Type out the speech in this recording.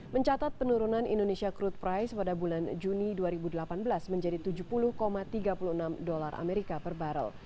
mencatat penurunan indonesia crude price pada bulan juni dua ribu delapan belas menjadi tujuh puluh tiga puluh enam dolar amerika per barrel